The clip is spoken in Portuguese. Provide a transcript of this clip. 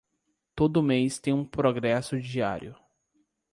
Todo mês tem um progresso diário